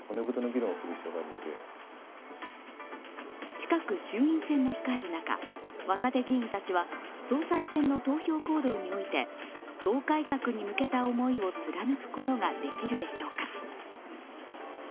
近く衆院選も控える中若手議員たちは総裁選の投票行動において党改革に向けた思いを貫くことができるでしょうか？